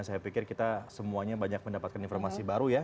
saya pikir kita semuanya banyak mendapatkan informasi baru ya